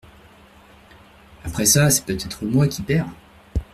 Après ça, c'est peut-être moi qui perds.